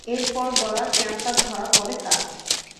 এরপর গলার ক্যান্সার ধরা পড়ে তাঁর।